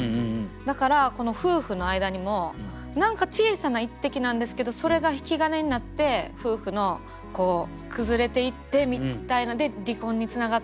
だからこの夫婦の間にも何か小さな一滴なんですけどそれが引き金になって夫婦の崩れていってみたいなんで離婚につながったとか。